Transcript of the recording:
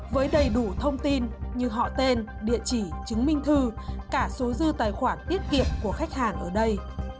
với đầy đủ thông tin như họ tên địa chỉ chứng minh thư cả số dư tài khoản tiết kiệm của khách hàng ở đây